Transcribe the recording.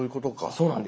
そうなんです。